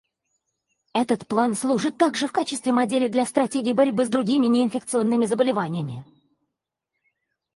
Этот план служит также в качестве модели для стратегий борьбы с другими неинфекционными заболеваниями.